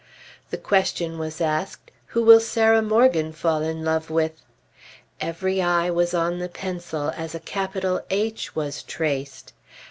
The question was asked, "Who will Sarah Morgan fall in love with?" Every eye was on the pencil as a capital "H" was traced.